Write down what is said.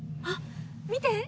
あっ見て！